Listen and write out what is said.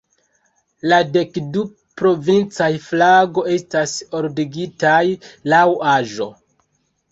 La dek du provincaj flagoj estas ordigitaj laŭ aĝo.